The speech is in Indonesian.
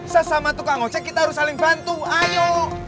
sesama tukang ojek kita harus saling bantu ayo